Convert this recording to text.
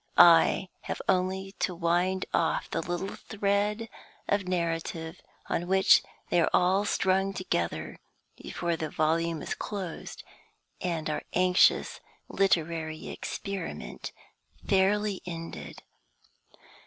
I have only to wind off the little thread of narrative on which they are all strung together before the volume is closed and our anxious literary experiment fairly ended.